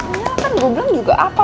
sebenernya kan gue bilang juga apa